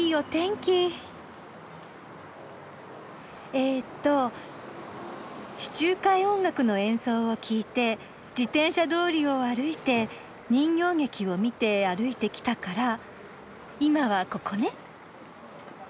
えっと地中海音楽の演奏を聴いて自転車通りを歩いて人形劇を見て歩いてきたから今はここね。